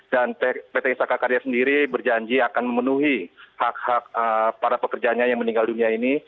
dan pt istaka karya sendiri berjanji akan memenuhi hak hak para pekerjaannya yang meninggal dunia ini